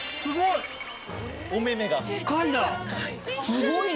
すごいね。